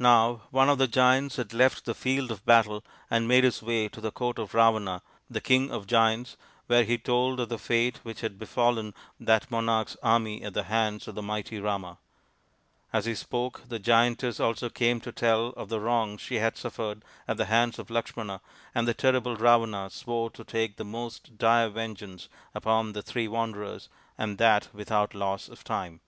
Now one of the giants had left the field of battle and made his way to the court of Ravana, the king of \\.t Tilled uith unnJcring admiration RAMA'S QUEST 25 the giants, where he told of the fate which had befallen that monarch's army at the hands of the mighty Rama. As he spoke the giantess also came to tell of the wrong she had suffered at the hands of Lakshmana, and the terrible Ravana swore to take the most dire vengeance upon the three wanderers, and that without loss of time.